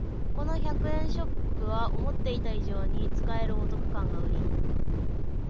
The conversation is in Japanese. ここの百均ショップは思ってた以上に使えるお得感がウリ